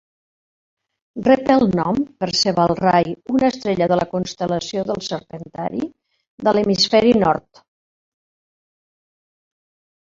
Rep el nom per Cebalrai, una estrella de la constel·lació del Serpentari de l'hemisferi nord.